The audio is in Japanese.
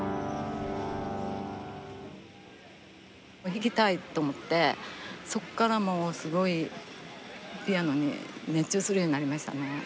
弾きたいと思ってそこからもうすごいピアノに熱中するようになりましたね。